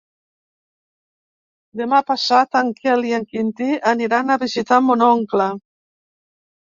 Demà passat en Quel i en Quintí aniran a visitar mon oncle.